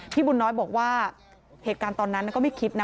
บุญน้อยบอกว่าเหตุการณ์ตอนนั้นก็ไม่คิดนะ